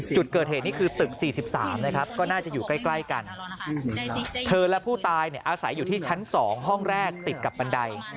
จุดเกิดเหตุนี่คือตึก๔๓นะครับก็น่าจะอยู่ใกล้กันเธอและผู้ตายอาศัยอยู่ที่ชั้น๒ห้องแรกติดกับบันได